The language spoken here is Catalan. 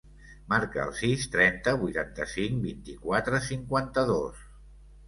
Marca el sis, trenta, vuitanta-cinc, vint-i-quatre, cinquanta-dos.